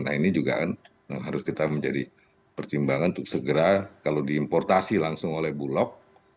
nah ini juga kan harus kita menjadi pertimbangan untuk segera kalau diimportasi langsung oleh bulog